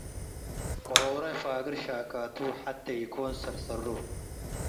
ቅሮረ ፋግር ሻካቱ ሐቴ ኢኮን ሰርሰሩ